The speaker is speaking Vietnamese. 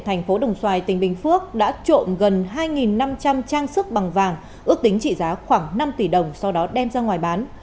trang sức bằng vàng ước tính trị giá khoảng năm tỷ đồng sau đó đem ra ngoài bán